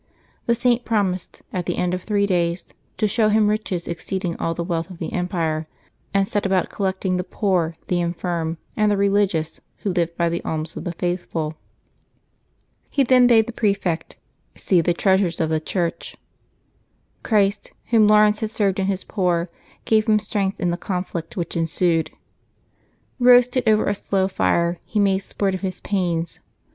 The Saint promised, at the end of three days, to show him riches exceeding all the wealth of the empire, and set about collecting the poor, the infirm, and the religious who lived by the alms of the faithful. He then bade the prefect " see the treasures of the Church." Christ, whom Laurence had served in his poor, gave him strength in the conflict which ensued. Eoasted over a slow fire, he made sport of his pains.